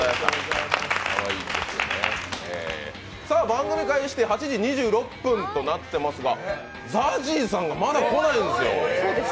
番組開始して８時２６分となっているんですが、ＺＡＺＹさんがまだ来ないんですよ。